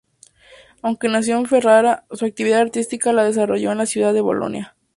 Aunque nació en Ferrara, su actividad artística la desarrolló en la ciudad de Bolonia.